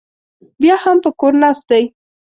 بیا هم په کور ناست دی.